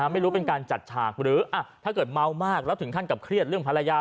ไม่รู้เป็นการจัดฉากหรือถ้าเกิดเมามากแล้วถึงขั้นกับเครียดเรื่องภรรยา